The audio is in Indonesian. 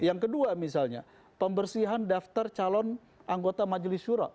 yang kedua misalnya pembersihan daftar calon anggota majelis syura